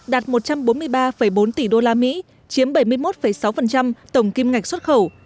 đạt một trăm bốn mươi ba bốn tỷ usd chiếm bảy mươi một sáu tổng kim ngạch xuất khẩu